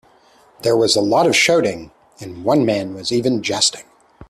There was a lot of shouting, and one man was even jesting.